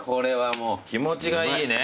気持ちがいいね。